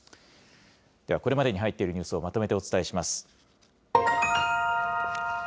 ではこれまでに入っているニュースをまとめてお伝えします。